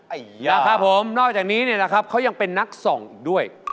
อัยยะนะครับผมนอกจากนี้นะครับเขายังเป็นนักส่องด้วย